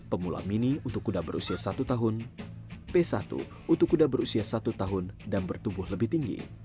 pemula mini untuk kuda berusia satu tahun p satu untuk kuda berusia satu tahun dan bertubuh lebih tinggi